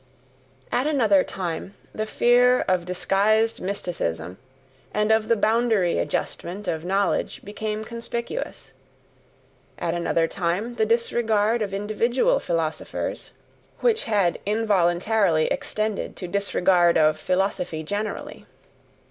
At another time the fear of disguised mysticism and of the boundary adjustment of knowledge became conspicuous, at another time the disregard of individual philosophers, which had involuntarily extended to disregard of philosophy generally.